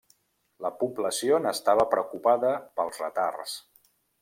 La població n'estava preocupada pels retards.